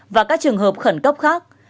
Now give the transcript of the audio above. và các trường hợp khẩn cấp khác